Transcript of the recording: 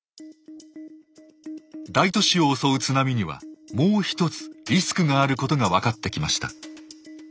大都市を襲う津波にはもう一つリスクがあることが分かってきました。